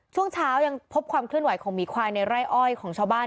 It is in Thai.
ช่วงเช้ายังพบความเคลื่อนไหวของหมีควายในไร่อ้อยของชาวบ้าน